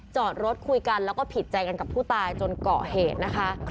จอดรถคุยกันแล้วก็ผิดใจกันกับผู้ตายจนเกาะเหตุนะคะ